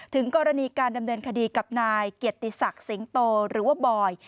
ถึงกรณีการดำเนินคดีกับนายเกียรติศักดิ์สิงโตหรือว่าบอย